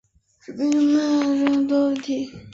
使用贫穷门槛会有很多问题。